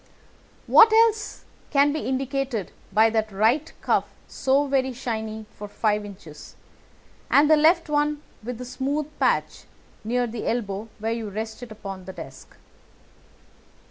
"What else can be indicated by that right cuff so very shiny for five inches, and the left one with the smooth patch near the elbow where you rest it upon the desk?"